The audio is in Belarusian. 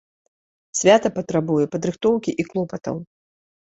Свята патрабуе падрыхтоўкі і клопатаў.